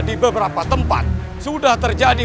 di beberapa tempat sudah terjadi